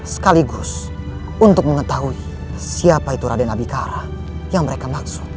sekaligus untuk mengetahui siapa itu raden abikara yang mereka maksud